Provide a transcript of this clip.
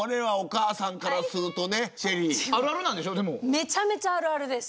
めちゃめちゃあるあるです。